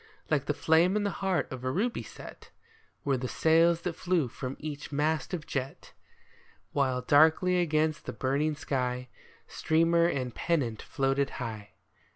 Like the flame in the heart of a ruby set Were the sails that flew from each mast of jet ; While darkly against the burning sky Streamer and pennant floated high.